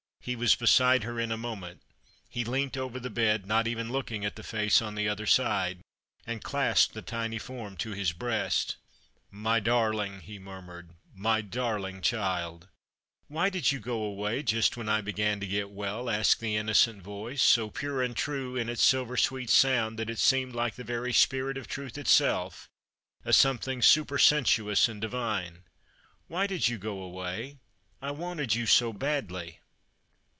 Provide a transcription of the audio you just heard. He Avas beside her in a moment. He leant over the bed — not even looking at the face on the other side — and clasped the tiny form to his breast. " My darling !" he murmured, " my darling child !" "Why did you go away just when I began to get well ?" asked the innocent voice, so pure and true in its silver sweet sound, that it seemed like the very spirit of truth itself, a something supersensuous and divine. " Why did you go away ? I wanted you so badly."